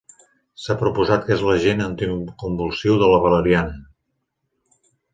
S'ha proposat que és l'agent anticonvulsiu de la valeriana.